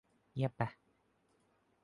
เงียบไป